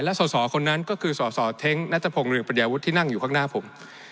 และสอสอคนนั้นก็คือสอสอเท้งนัตรภงเหลืองประเดียวที่นั่งอยู่ข้างหน้าผม